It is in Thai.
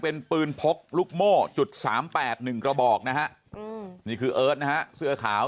เป็นปืนพกลูกโม่จุด๓๘๑กระบอกนะฮะนี่คือเอิร์ทนะฮะเสื้อขาว